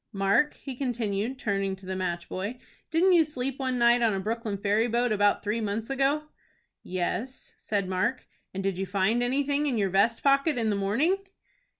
Mark," he continued, turning to the match boy, "didn't you sleep one night on a Brooklyn ferry boat about three months ago?" "Yes," said Mark. "And did you find anything in your vest pocket in the morning?"